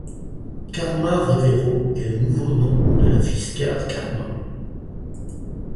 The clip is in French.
Karma Revero est le nouveau nom de la Fisker Karma.